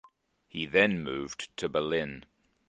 He then moved to Berlin.